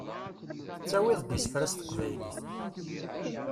Tettawiḍ-d isefra s teqbaylit.